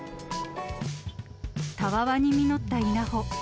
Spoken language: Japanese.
たわわに実った稲穂。